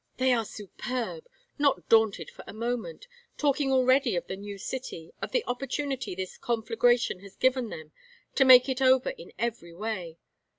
They are superb, not daunted for a moment, talking already of the new city, of the opportunity this conflagration has given them to make it over in every way.